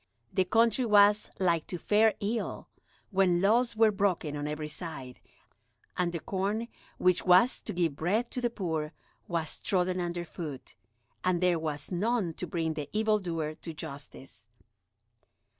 The country was like to fare ill when laws were broken on every side, and the corn which was to give bread to the poor was trodden underfoot, and there was none to bring the evildoer to justice.